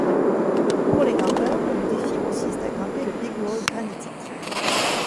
Pour les grimpeurs, le défi consiste à grimper le big wall granitique.